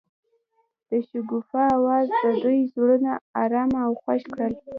د شګوفه اواز د دوی زړونه ارامه او خوښ کړل.